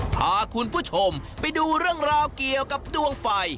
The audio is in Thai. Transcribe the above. พาคุณผู้ชมไปดูเรื่องราวเกี่ยวกับดวงไฟ